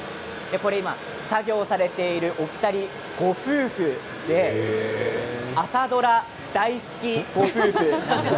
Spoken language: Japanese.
作業されているお二人ご夫婦で朝ドラ大好きご夫婦なんです。